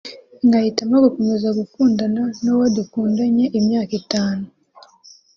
nkahitamo gukomeza gukundana n’uwo dukundanye imyaka itanu